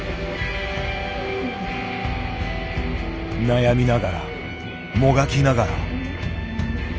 悩みながらもがきながら。